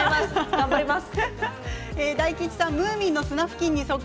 頑張ります。